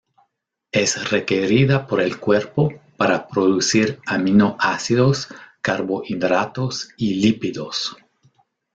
Es requerida por el cuerpo para producir aminoácidos, carbohidratos y lípidos.